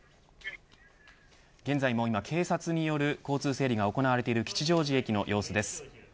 現在も警察による交通整理が行われている吉祥寺駅の様子です。